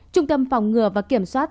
trung tâm phòng ngừa và kiểm soát